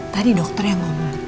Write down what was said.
tadi dokter yang ngomong